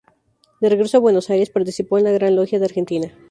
De regreso a Buenos Aires, participó en la Gran Logia de Argentina.